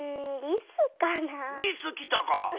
リスきたか！